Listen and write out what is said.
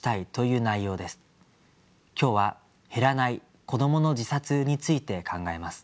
今日は「減らない子どもの自殺」について考えます。